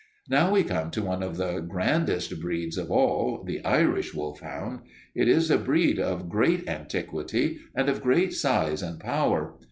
"Now we come to one of the grandest breeds of all the Irish wolfhound. It is a breed of great antiquity and of great size and power.